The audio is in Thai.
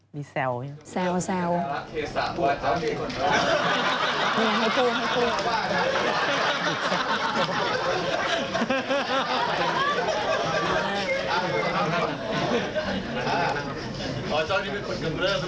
มีแซวอยู่แซวแซว